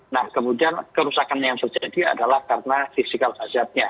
nah kemudian kerusakan yang terjadi adalah karena fisikal hazardnya